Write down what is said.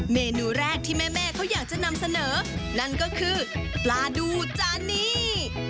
เมนูแรกที่แม่เขาอยากจะนำเสนอนั่นก็คือปลาดูจานนี้